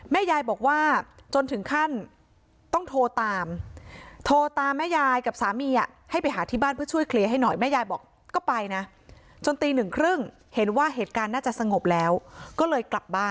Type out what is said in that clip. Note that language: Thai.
แม่ยายบอกว่าจนถึงขั้นต้องโทรตามโทรตามแม่ยายกับสามีให้ไปหาที่บ้านเพื่อช่วยเคลียร์ให้หน่อย